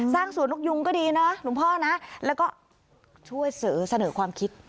สวนนกยุงก็ดีนะหลวงพ่อนะแล้วก็ช่วยเสนอความคิด